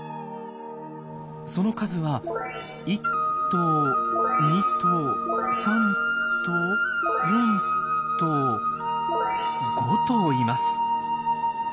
その数は１頭２頭３頭４頭５頭います。